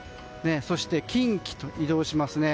そして、近畿へと移動しますね。